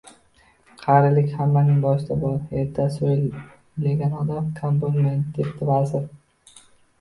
– Qarilik hammaning boshida bor. Ertasini o‘ylagan odam kam bo‘lmaydi, – debdi vazir.